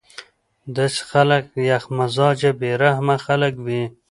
داسې خلک يخ مزاجه بې رحمه خلک وي